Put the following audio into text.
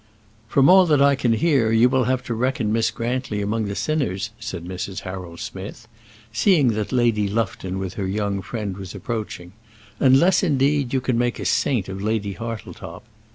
"From all that I can hear, you will have to reckon Miss Grantly among the sinners," said Mrs. Harold Smith seeing that Lady Lufton with her young friend was approaching "unless, indeed, you can make a saint of Lady Hartletop."